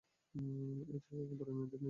ও যে একেবারে মেয়েদের নিজের কীর্তি।